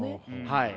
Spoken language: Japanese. はい。